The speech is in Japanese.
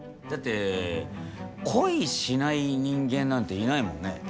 だって恋しない人間なんていないもんね。